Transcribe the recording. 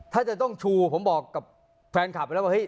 ถ้าจะต้องชูผมบอกกับแฟนคลับไปแล้วว่าเฮ